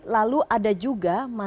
lalu ada juga masalah